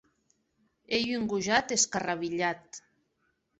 Ei un gojat escarrabilhat.